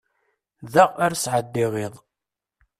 Da ara sɛeddiɣ iḍ.